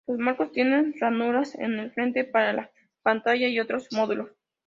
Los marcos tienen ranuras en el frente para la pantalla y otros módulos.